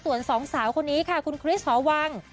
ส่วนสองสาวคนนี้ค่ะคุณคริสหอวัง